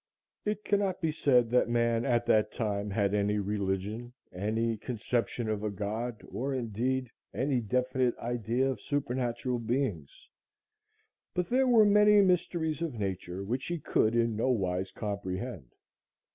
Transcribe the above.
It cannot be said that man at that time had any religion, any conception of a god, or indeed, any definite idea of supernatural beings, but there were many mysteries of nature which he could in no wise comprehend.